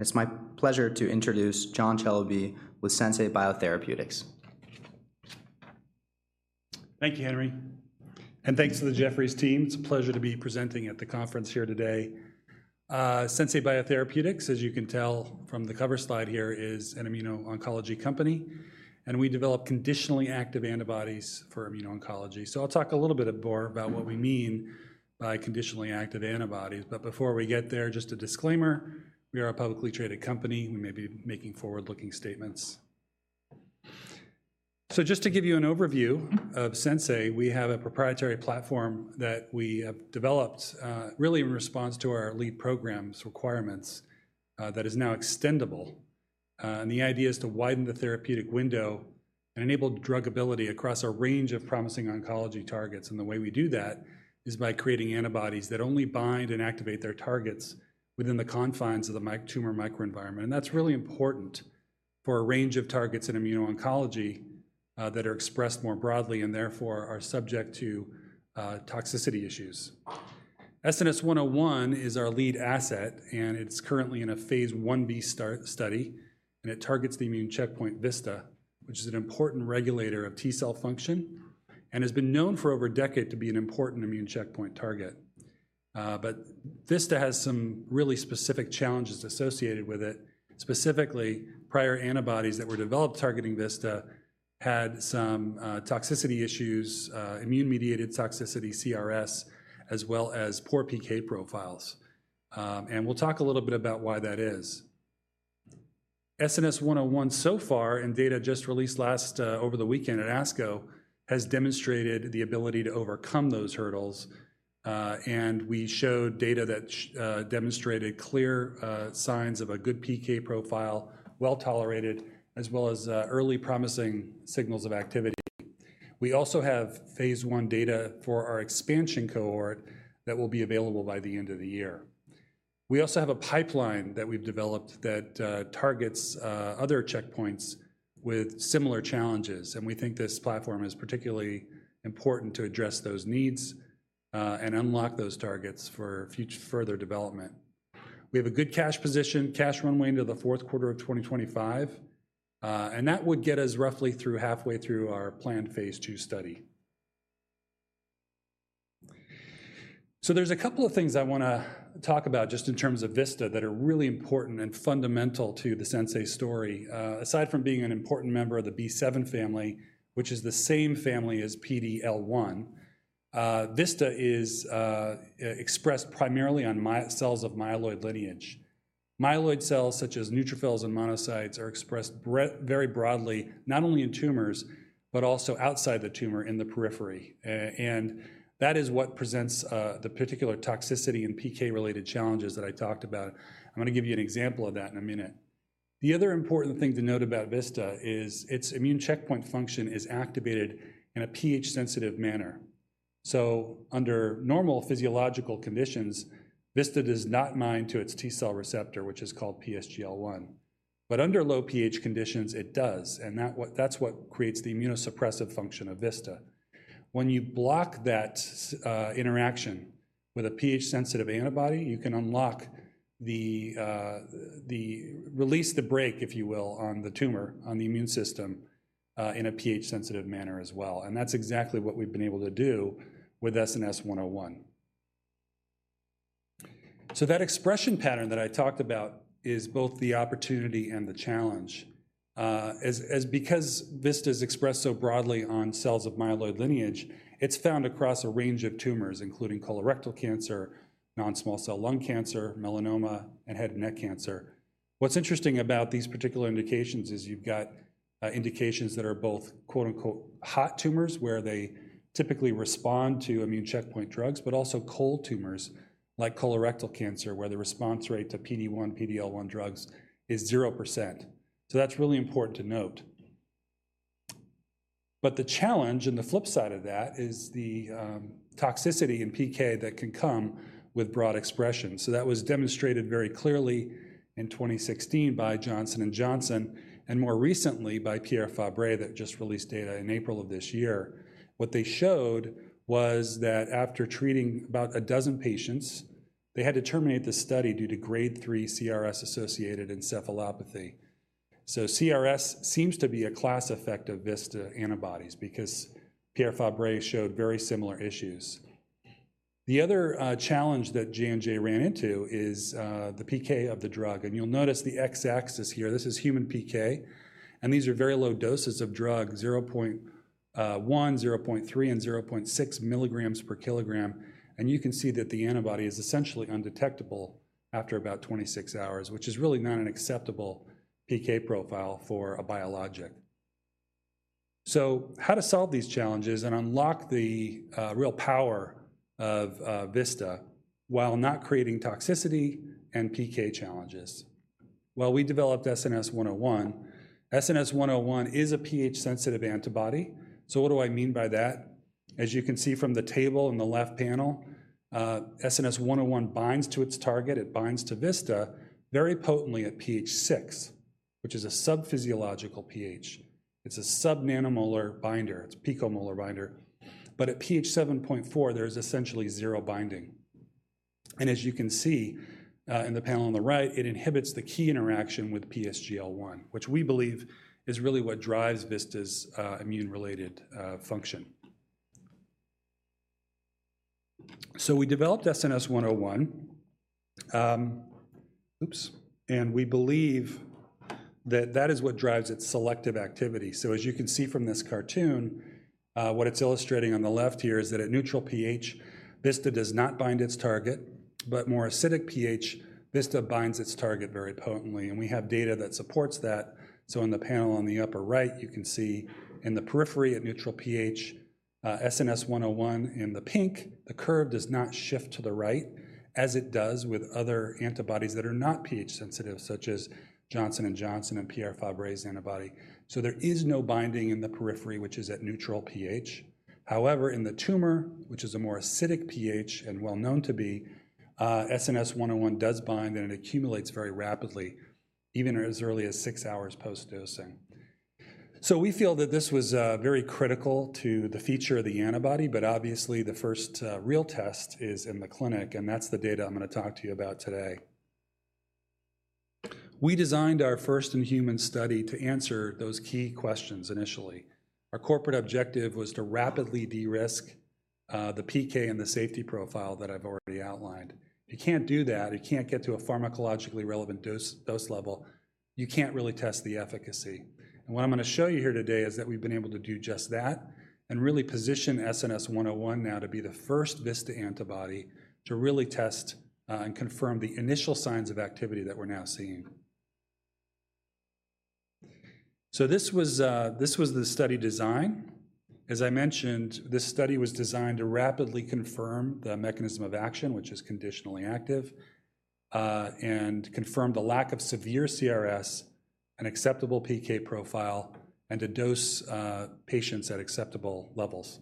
It's my pleasure to introduce John Celebi with Sensei Biotherapeutics. Thank you, Henry, and thanks to the Jefferies team. It's a pleasure to be presenting at the conference here today. Sensei Biotherapeutics, as you can tell from the cover slide here, is an immuno-oncology company, and we develop conditionally active antibodies for immuno-oncology. So I'll talk a little bit more about what we mean by conditionally active antibodies. But before we get there, just a disclaimer: we are a publicly traded company. We may be making forward-looking statements. So just to give you an overview of Sensei, we have a proprietary platform that we have developed, really in response to our lead program's requirements, that is now extendable. And the idea is to widen the therapeutic window and enable druggability across a range of promising oncology targets. The way we do that is by creating antibodies that only bind and activate their targets within the confines of the tumor microenvironment. That's really important for a range of targets in immuno-oncology that are expressed more broadly and therefore are subject to toxicity issues. SNS-101 is our lead asset, and it's currently in a phase I-B study, and it targets the immune checkpoint VISTA, which is an important regulator of T cell function and has been known for over a decade to be an important immune checkpoint target. But VISTA has some really specific challenges associated with it. Specifically, prior antibodies that were developed targeting VISTA had some toxicity issues, immune-mediated toxicity, CRS, as well as poor PK profiles. We'll talk a little bit about why that is. SNS-101 so far, and data just released last... Over the weekend at ASCO, has demonstrated the ability to overcome those hurdles. And we showed data that demonstrated clear signs of a good PK profile, well-tolerated, as well as early promising signals of activity. We also have phase I data for our expansion cohort that will be available by the end of the year. We also have a pipeline that we've developed that targets other checkpoints with similar challenges, and we think this platform is particularly important to address those needs, and unlock those targets for further development. We have a good cash position, cash runway into the fourth quarter of 2025, and that would get us roughly through halfway through our planned phase II study. So there's a couple of things I wanna talk about, just in terms of VISTA, that are really important and fundamental to the Sensei story. Aside from being an important member of the B7 family, which is the same family as PD-L1, VISTA is expressed primarily on myeloid cells of myeloid lineage. Myeloid cells, such as neutrophils and monocytes, are expressed very broadly, not only in tumors, but also outside the tumor in the periphery. That is what presents the particular toxicity and PK-related challenges that I talked about. I'm gonna give you an example of that in a minute. The other important thing to note about VISTA is its immune checkpoint function is activated in a pH-sensitive manner. So under normal physiological conditions, VISTA does not bind to its T cell receptor, which is called PSGL-1. But under low pH conditions, it does, and that's what creates the immunosuppressive function of VISTA. When you block that interaction with a pH-sensitive antibody, you can unlock the... release the brake, if you will, on the tumor, on the immune system, in a pH-sensitive manner as well, and that's exactly what we've been able to do with SNS-101. So that expression pattern that I talked about is both the opportunity and the challenge. Because VISTA is expressed so broadly on cells of myeloid lineage, it's found across a range of tumors, including colorectal cancer, non-small cell lung cancer, melanoma, and head and neck cancer. What's interesting about these particular indications is you've got, indications that are both, quote, unquote, "hot tumors," where they typically respond to immune checkpoint drugs, but also cold tumors, like colorectal cancer, where the response rate to PD-1, PD-L1 drugs is 0%. That's really important to note. But the challenge and the flip side of that is the, toxicity in PK that can come with broad expression. That was demonstrated very clearly in 2016 by Johnson & Johnson and more recently by Pierre Fabre, that just released data in April of this year. What they showed was that after treating about a dozen patients, they had to terminate the study due to Grade 3 CRS-associated encephalopathy. CRS seems to be a class effect of VISTA antibodies because Pierre Fabre showed very similar issues. The other challenge that J&J ran into is the PK of the drug, and you'll notice the X-axis here. This is human PK, and these are very low doses of drug, 0.1, 0.3, and 0.6 milligrams per kilogram. And you can see that the antibody is essentially undetectable after about 26 hours, which is really not an acceptable PK profile for a biologic. So how to solve these challenges and unlock the real power of VISTA while not creating toxicity and PK challenges? Well, we developed SNS-101. SNS-101 is a pH-sensitive antibody. So what do I mean by that? As you can see from the table in the left panel, SNS-101 binds to its target. It binds to VISTA very potently at pH 6, which is a sub-physiological pH. It's a sub-nanomolar binder. It's a picomolar binder. But at pH 7.4, there's essentially zero binding. And as you can see, in the panel on the right, it inhibits the key interaction with PSGL-1, which we believe is really what drives VISTA's immune-related function. So we developed SNS-101. And we believe that that is what drives its selective activity. So as you can see from this cartoon, what it's illustrating on the left here is that at neutral pH, VISTA does not bind its target, but more acidic pH, VISTA binds its target very potently, and we have data that supports that. So in the panel on the upper right, you can see in the periphery at neutral pH, SNS-101 in the pink, the curve does not shift to the right as it does with other antibodies that are not pH sensitive, such as Johnson & Johnson and Pierre Fabre's antibody. So there is no binding in the periphery, which is at neutral pH. However, in the tumor, which is a more acidic pH and well known to be, SNS-101 does bind, and it accumulates very rapidly, even as early as six hours post-dosing. So we feel that this was very critical to the feature of the antibody, but obviously, the first real test is in the clinic, and that's the data I'm gonna talk to you about today. We designed our first in-human study to answer those key questions initially. Our corporate objective was to rapidly de-risk, the PK and the safety profile that I've already outlined. You can't do that. You can't get to a pharmacologically relevant dose, dose level. You can't really test the efficacy. And what I'm gonna show you here today is that we've been able to do just that and really position SNS-101 now to be the first VISTA antibody to really test, and confirm the initial signs of activity that we're now seeing. So this was the study design. As I mentioned, this study was designed to rapidly confirm the mechanism of action, which is conditionally active, and confirm the lack of severe CRS, an acceptable PK profile, and to dose, patients at acceptable levels.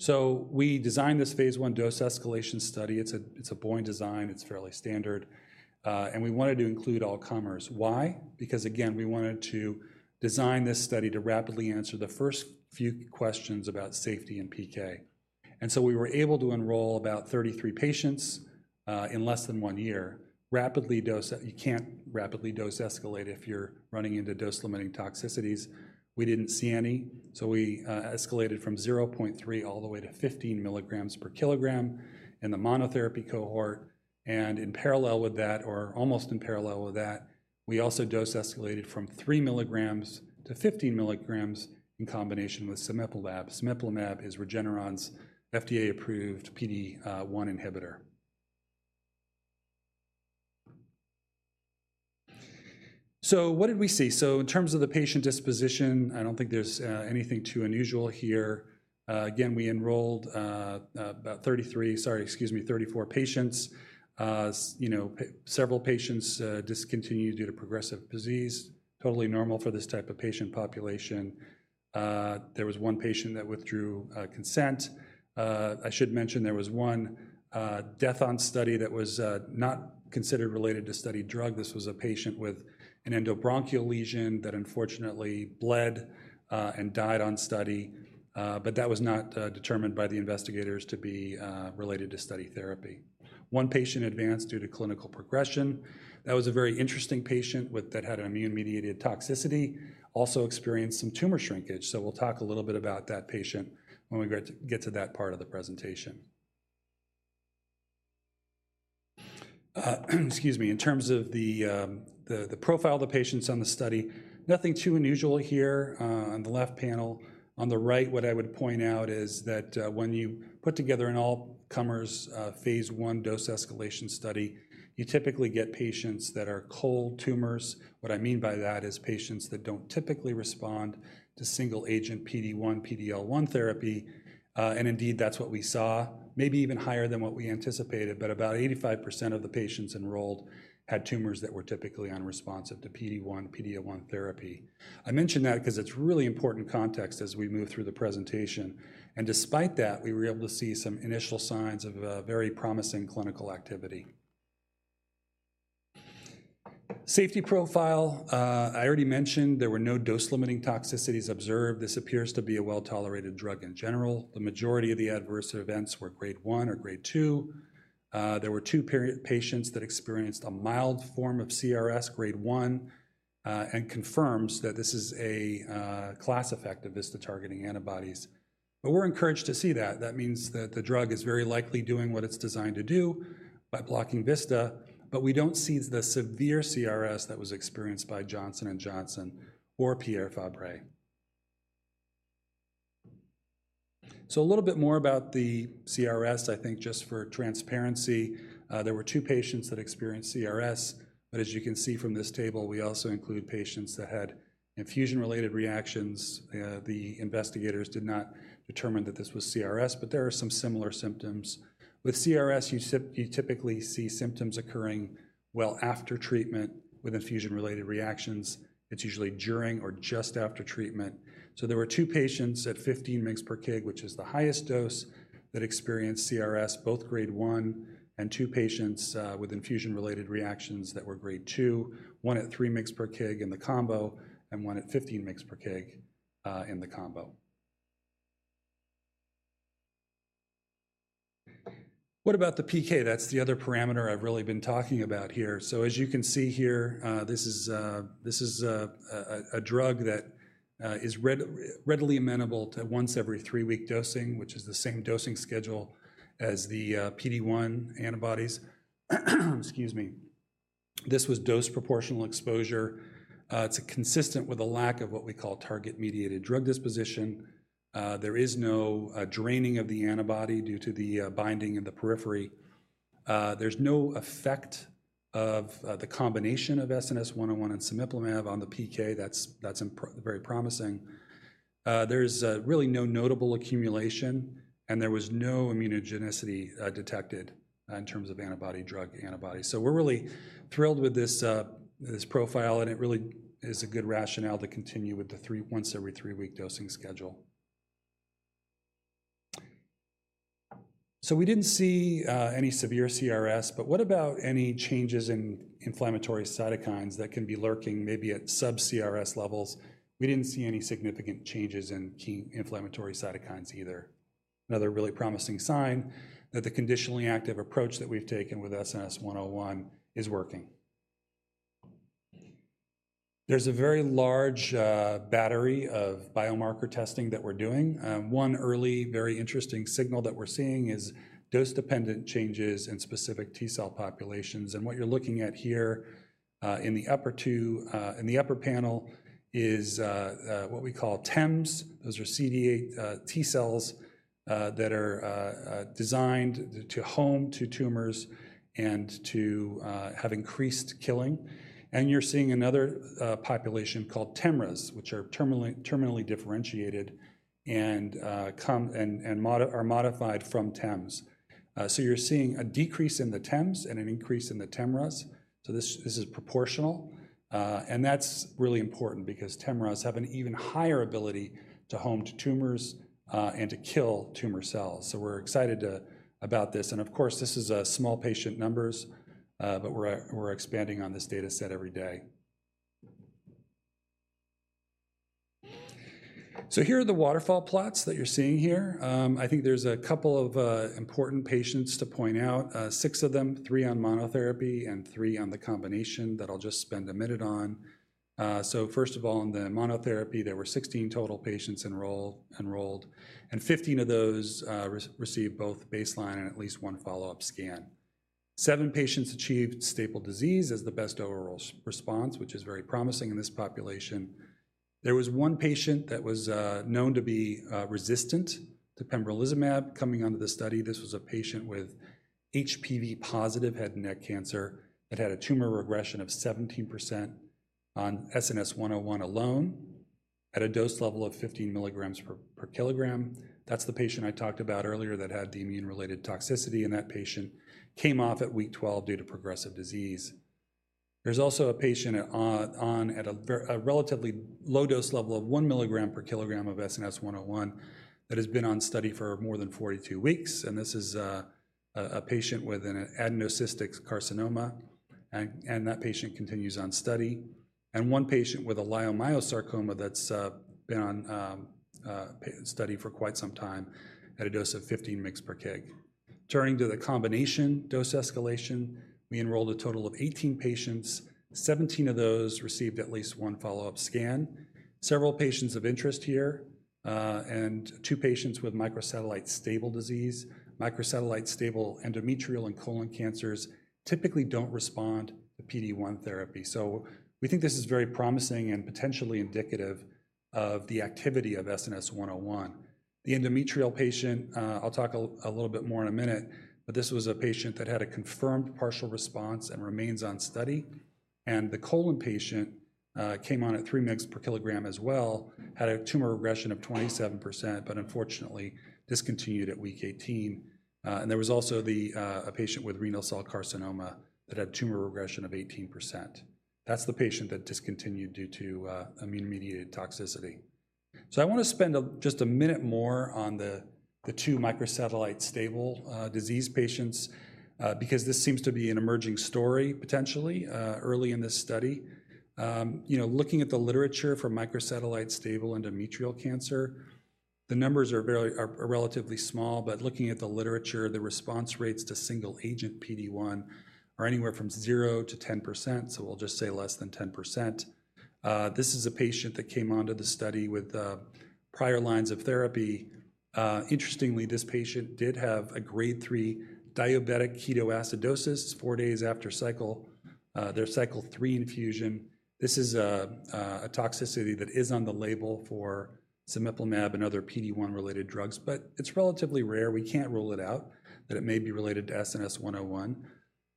So we designed this phase I dose-escalation study. It's a boring design. It's fairly standard, and we wanted to include all comers. Why? Because, again, we wanted to design this study to rapidly answer the first few questions about safety and PK. And so we were able to enroll about 33 patients in less than 1 year. You can't rapidly dose escalate if you're running into dose-limiting toxicities. We didn't see any, so we escalated from 0.3-15 milligrams per kilogram in the monotherapy cohort, and in parallel with that, or almost in parallel with that, we also dose escalated from 3-15 milligrams in combination with cemiplimab. Cemiplimab is Regeneron's FDA-approved PD-1 inhibitor. So what did we see? So in terms of the patient disposition, I don't think there's anything too unusual here. Again, we enrolled about 33, sorry, excuse me, 34 patients. You know, several patients discontinued due to progressive disease, totally normal for this type of patient population. There was one patient that withdrew consent. I should mention there was one death on study that was not considered related to study drug. This was a patient with an endobronchial lesion that unfortunately bled and died on study, but that was not determined by the investigators to be related to study therapy. One patient advanced due to clinical progression. That was a very interesting patient with... that had an immune-mediated toxicity, also experienced some tumor shrinkage, so we'll talk a little bit about that patient when we get to that part of the presentation. Excuse me. In terms of the profile of the patients on the study, nothing too unusual here, on the left panel. On the right, what I would point out is that, when you put together an all comers, phase I dose-escalation study, you typically get patients that are cold tumors. What I mean by that is patients that don't typically respond to single-agent PD-1, PD-L1 therapy, and indeed, that's what we saw, maybe even higher than what we anticipated. But about 85% of the patients enrolled had tumors that were typically unresponsive to PD-1, PD-L1 therapy. I mention that because it's really important context as we move through the presentation, and despite that, we were able to see some initial signs of a very promising clinical activity. Safety profile, I already mentioned there were no dose-limiting toxicities observed. This appears to be a well-tolerated drug in general. The majority of the adverse events were grade 1 or grade 2. There were 2 patients that experienced a mild form of CRS, grade 1, and confirms that this is a class effect of VISTA-targeting antibodies. But we're encouraged to see that. That means that the drug is very likely doing what it's designed to do by blocking VISTA, but we don't see the severe CRS that was experienced by Johnson & Johnson or Pierre Fabre. So a little bit more about the CRS, I think just for transparency. There were 2 patients that experienced CRS, but as you can see from this table, we also include patients that had infusion-related reactions. The investigators did not determine that this was CRS, but there are some similar symptoms. With CRS, you see you typically see symptoms occurring well after treatment. With infusion-related reactions, it's usually during or just after treatment. So there were two patients at 15 mg per kg, which is the highest dose, that experienced CRS, both grade 1 and 2 patients, with infusion-related reactions that were grade 2, one at 3 mg per kg in the combo and one at 15 mg per kg, in the combo. What about the PK? That's the other parameter I've really been talking about here. So as you can see here, this is a drug that is readily amenable to once every 3-week dosing, which is the same dosing schedule as the PD-1 antibodies. Excuse me. This was dose proportional exposure. It's consistent with a lack of what we call target-mediated drug disposition. There is no draining of the antibody due to the binding in the periphery. There's no effect of the combination of SNS-101 and cemiplimab on the PK. That's very promising. There's really no notable accumulation, and there was no immunogenicity detected in terms of anti-drug antibody. So we're really thrilled with this profile, and it really is a good rationale to continue with the 3, once every 3-week dosing schedule. So we didn't see any severe CRS, but what about any changes in inflammatory cytokines that can be lurking, maybe at sub-CRS levels? We didn't see any significant changes in key inflammatory cytokines either. Another really promising sign that the conditionally active approach that we've taken with SNS-101 is working. There's a very large battery of biomarker testing that we're doing. One early, very interesting signal that we're seeing is dose-dependent changes in specific T cell populations, and what you're looking at here in the upper two in the upper panel is what we call TEMs. Those are CD8 T cells that are designed to home to tumors and to have increased killing. And you're seeing another population called TEMRA, which are terminally differentiated and are modified from TEMs. So you're seeing a decrease in the TEMs and an increase in the TEMRAs. So this is proportional. And that's really important because TEMRAs have an even higher ability to home to tumors and to kill tumor cells. So we're excited about this. Of course, this is small patient numbers, but we're expanding on this data set every day. Here are the waterfall plots that you're seeing here. I think there's a couple of important patients to point out. Six of them, three on monotherapy and three on the combination that I'll just spend a minute on. So first of all, on the monotherapy, there were 16 total patients enrolled, and 15 of those received both baseline and at least one follow-up scan. Seven patients achieved stable disease as the best overall response, which is very promising in this population. There was one patient that was known to be resistant to pembrolizumab coming onto the study. This was a patient with HPV-positive head and neck cancer, that had a tumor regression of 17% on SNS-101 alone at a dose level of 15 mg/kg. That's the patient I talked about earlier that had the immune-related toxicity, and that patient came off at week 12 due to progressive disease. There's also a patient on at a relatively low dose level of 1 mg/kg of SNS-101 that has been on study for more than 42 weeks, and this is a patient with an adenoid cystic carcinoma, and that patient continues on study. And one patient with a leiomyosarcoma that's been on study for quite some time at a dose of 15 mg/kg. Turning to the combination dose escalation, we enrolled a total of 18 patients. 17 of those received at least one follow-up scan. Several patients of interest here, and two patients with microsatellite stable disease. Microsatellite stable endometrial and colon cancers typically don't respond to PD-1 therapy, so we think this is very promising and potentially indicative of the activity of SNS-101. The endometrial patient, I'll talk a little bit more in a minute, but this was a patient that had a confirmed partial response and remains on study. The colon patient came on at 3 mg per kilogram as well, had a tumor regression of 27%, but unfortunately, discontinued at week 18. There was also a patient with renal cell carcinoma that had tumor regression of 18%. That's the patient that discontinued due to immune-mediated toxicity. So I wanna spend just a minute more on the 2 microsatellite stable disease patients because this seems to be an emerging story, potentially, early in this study. You know, looking at the literature for microsatellite stable endometrial cancer, the numbers are very relatively small, but looking at the literature, the response rates to single-agent PD-1 are anywhere from 0%-10%, so we'll just say less than 10%. This is a patient that came onto the study with prior lines of therapy. Interestingly, this patient did have a grade 3 diabetic ketoacidosis 4 days after their cycle 3 infusion. This is a toxicity that is on the label for cemiplimab and other PD-1-related drugs, but it's relatively rare. We can't rule it out, that it may be related to SNS-101.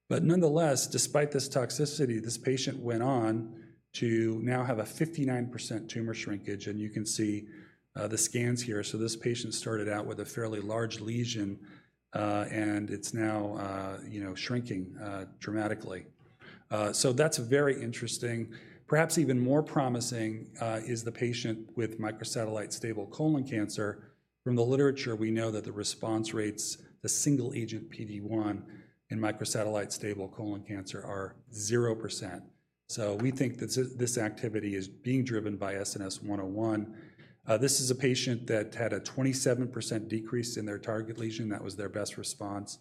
But nonetheless, despite this toxicity, this patient went on to now have a 59% tumor shrinkage, and you can see, the scans here. So this patient started out with a fairly large lesion, and it's now, you know, shrinking, dramatically. So that's very interesting. Perhaps even more promising, is the patient with microsatellite stable colon cancer. From the literature, we know that the response rates, the single-agent PD-1 in microsatellite stable colon cancer are 0%.... So we think that this, this activity is being driven by SNS-101. This is a patient that had a 27% decrease in their target lesion. That was their best response.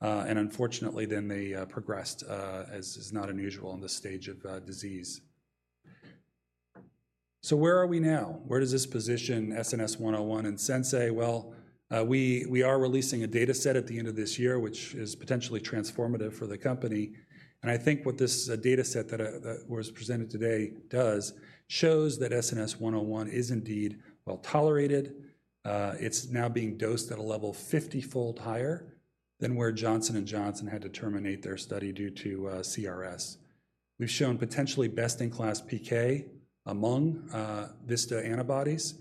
And unfortunately, then they, progressed, as is not unusual in this stage of, disease. So where are we now? Where does this position SNS-101 and Sensei Biotherapeutics? Well, we are releasing a data set at the end of this year, which is potentially transformative for the company. I think what this data set that was presented today does shows that SNS-101 is indeed well-tolerated. It's now being dosed at a level 50-fold higher than where Johnson & Johnson had to terminate their study due to CRS. We've shown potentially best-in-class PK among VISTA antibodies,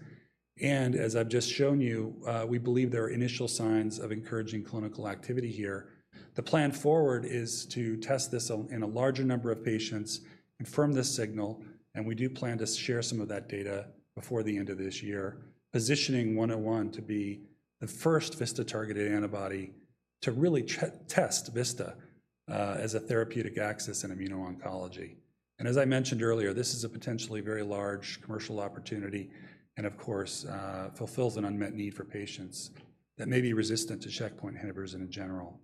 and as I've just shown you, we believe there are initial signs of encouraging clinical activity here. The plan forward is to test this in a larger number of patients, confirm the signal, and we do plan to share some of that data before the end of this year, positioning 101 to be the first VISTA-targeted antibody to really test VISTA as a therapeutic axis in immuno-oncology. As I mentioned earlier, this is a potentially very large commercial opportunity and, of course, fulfills an unmet need for patients that may be resistant to checkpoint inhibitors in general.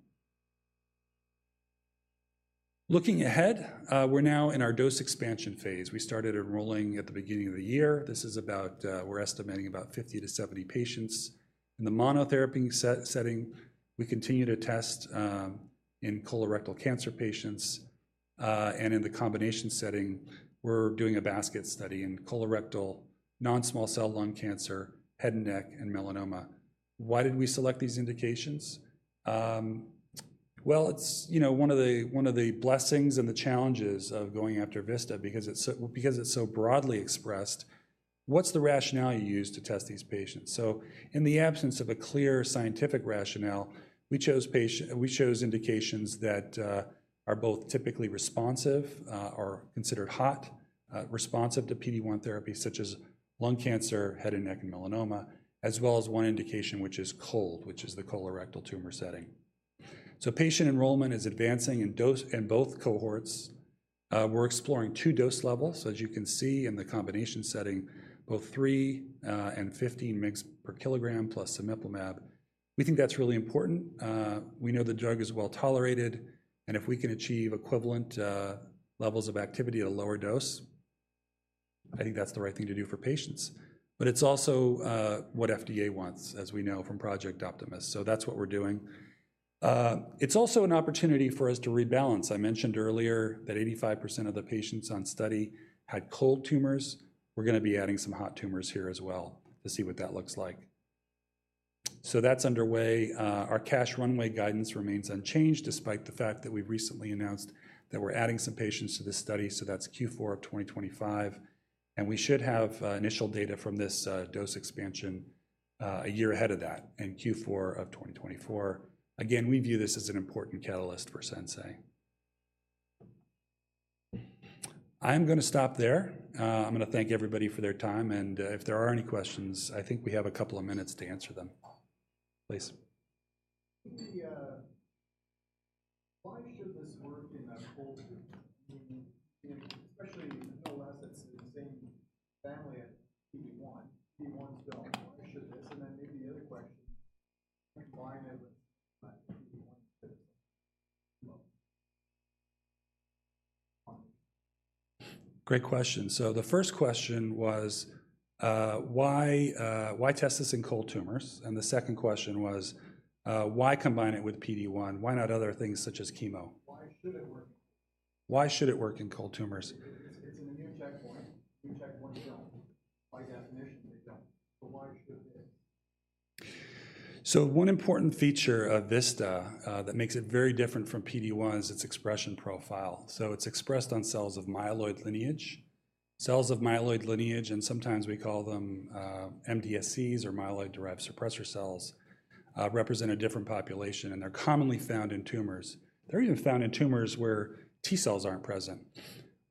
Looking ahead, we're now in our dose expansion phase. We started enrolling at the beginning of the year. This is about. We're estimating about 50-70 patients. In the monotherapy setting, we continue to test in colorectal cancer patients. And in the combination setting, we're doing a basket study in colorectal, non-small cell lung cancer, head and neck, and melanoma. Why did we select these indications? Well, it's, you know, one of the blessings and the challenges of going after VISTA because it's so broadly expressed. What's the rationale you use to test these patients? In the absence of a clear scientific rationale, we chose indications that are both typically responsive or considered hot responsive to PD-1 therapy, such as lung cancer, head and neck, and melanoma, as well as one indication, which is cold, which is the colorectal tumor setting. Patient enrollment is advancing in dose, in both cohorts. We're exploring two dose levels. As you can see in the combination setting, both 3 and 15 mg per kilogram, plus cemiplimab. We think that's really important. We know the drug is well-tolerated, and if we can achieve equivalent levels of activity at a lower dose, I think that's the right thing to do for patients. But it's also what FDA wants, as we know from Project Optimist, so that's what we're doing. It's also an opportunity for us to rebalance. I mentioned earlier that 85% of the patients on study had cold tumors. We're gonna be adding some hot tumors here as well to see what that looks like. So that's underway. Our cash runway guidance remains unchanged, despite the fact that we recently announced that we're adding some patients to this study, so that's Q4 of 2025. And we should have initial data from this dose expansion a year ahead of that in Q4 of 2024. Again, we view this as an important catalyst for Sensei. I'm gonna stop there. I'm gonna thank everybody for their time, and if there are any questions, I think we have a couple of minutes to answer them. Please. Why should this work in a cold tumor? I mean, especially since VISTA is in the same family as PD-1. PD-1 don't, why should this? And then maybe the other question, why never - Great question. So the first question was, why test this in cold tumors? And the second question was, why combine it with PD-1? Why not other things such as chemo? Why should it work? Why should it work in cold tumors? It's a new checkpoint. New checkpoints don't. By definition, they don't. So why should they? So one important feature of VISTA, that makes it very different from PD-1 is its expression profile. So it's expressed on cells of myeloid lineage. Cells of myeloid lineage, and sometimes we call them, MDSCs or myeloid-derived suppressor cells, represent a different population, and they're commonly found in tumors. They're even found in tumors where T cells aren't present.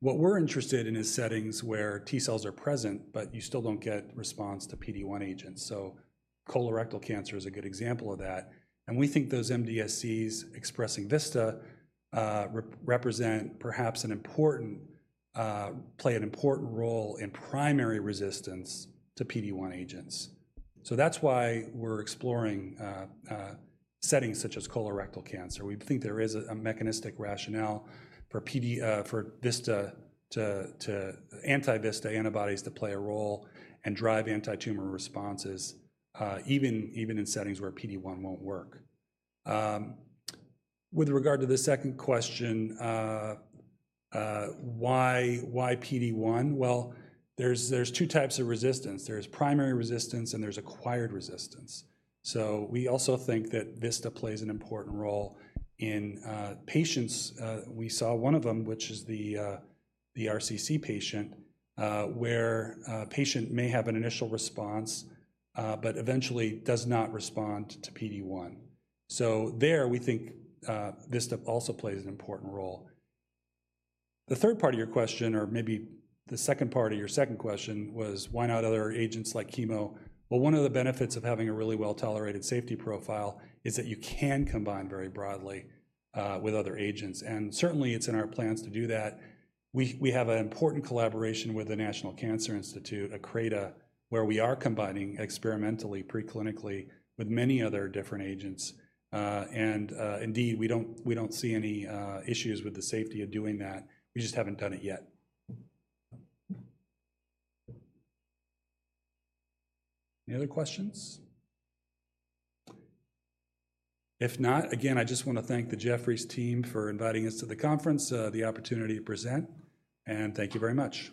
What we're interested in is settings where T cells are present, but you still don't get response to PD-1 agents. So colorectal cancer is a good example of that, and we think those MDSCs expressing VISTA, represent perhaps an important play an important role in primary resistance to PD-1 agents. So that's why we're exploring, settings such as colorectal cancer. We think there is a mechanistic rationale for PD, for VISTA to, to... anti-VISTA antibodies to play a role and drive anti-tumor responses, even in settings where PD-1 won't work. With regard to the second question, why PD-1? Well, there's two types of resistance. There's primary resistance, and there's acquired resistance. So we also think that VISTA plays an important role in patients. We saw one of them, which is the RCC patient, where a patient may have an initial response, but eventually does not respond to PD-1. So there, we think, VISTA also plays an important role. The third part of your question or maybe the second part of your second question was, why not other agents like chemo? Well, one of the benefits of having a really well-tolerated safety profile is that you can combine very broadly, with other agents, and certainly it's in our plans to do that. We, we have an important collaboration with the National Cancer Institute, a CRADA, where we are combining experimentally, pre-clinically with many other different agents. And, indeed, we don't, we don't see any, issues with the safety of doing that. We just haven't done it yet. Any other questions? If not, again, I just want to thank the Jefferies team for inviting us to the conference, the opportunity to present, and thank you very much.